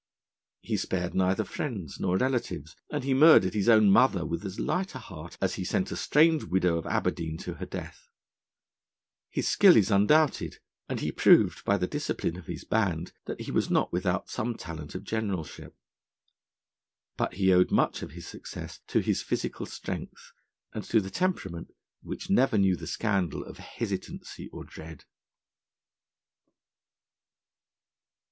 He spared neither friends nor relatives, and he murdered his own mother with as light a heart as he sent a strange widow of Aberdeen to her death. His skill is undoubted, and he proved by the discipline of his band that he was not without some talent of generalship. But he owed much of his success to his physical strength, and to the temperament, which never knew the scandal of hesitancy or dread.